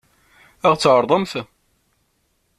Ad ɣ-t-tɛeṛḍemt?